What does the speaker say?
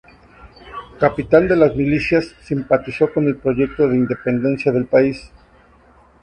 Capitán de las milicias, simpatizó con el proyecto de independencia del país.